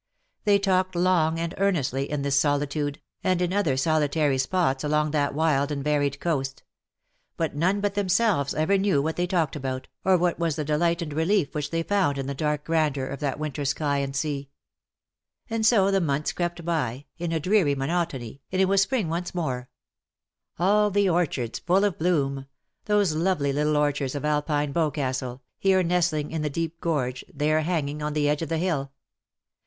They talked long and earnestly in this solitude, and in other solitary spots along that wild and varied coast ; but none but themselves^ ever knew what they talked about, or what was the AND SORROW UPON THY HEAd/' 85 delight and relief which they found in the dark grandeur of that winter sky and sea. And so the months crept by, in a dreary monotony, and it was spring once more ; all the orchards fall of bloom — those lovely little orchards of Alpine Boscastle, here nestling in the deep gorge, there hanging on the edge of the hill.